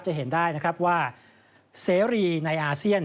จะเห็นได้นะครับว่าเสรีในอาเซียน